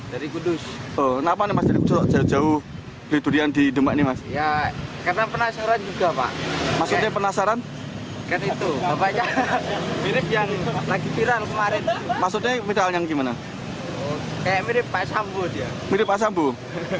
harus sedikit lah